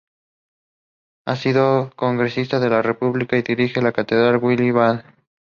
Ha sido Congresista de la República y dirige la Cátedra Willy Brandt.